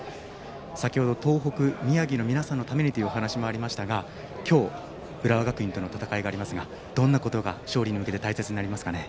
先程、東北、宮城の皆さんのためにというお話もありましたが今日、浦和学院との戦いがありますが、どんなことが勝利に向けて大切になりますか？